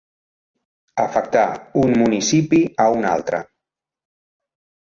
Afectar un municipi a un altre.